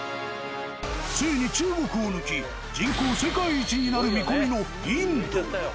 ついに中国を抜き、人口世界一になる見込みのインド。